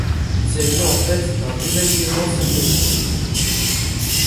Il s’agit en fait d’un désalignement circadien.